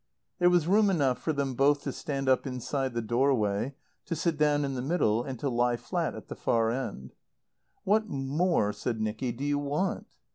There was room enough for them both to stand up inside the doorway, to sit down in the middle, and to lie flat at the far end. "What more," said Nicky, "do you want?"